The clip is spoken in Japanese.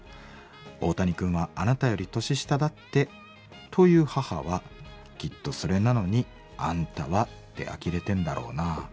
大谷君はあなたより年下だってと言う母はきっとそれなのにあんたはってあきれてんだろうなあ。